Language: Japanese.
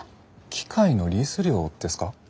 機械のリース料ですか？